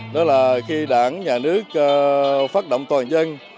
đó là khi đảng nhà nước phát động toàn dân